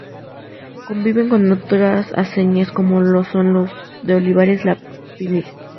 Conviven con otras aceñas como son las de Olivares, la Pinilla.